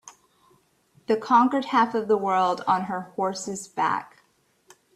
The conquered half of the world on her horse's back.